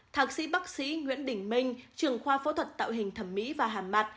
thạc sĩ bác sĩ nguyễn đình minh trường khoa phẫu thuật tạo hình thẩm mỹ và hàm mặt